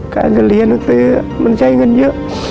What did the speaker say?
การจะเรียนหนังสือมันใช้เงินเยอะ